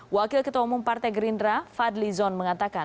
wakil ketua umum partai gerindra fadli zon mengatakan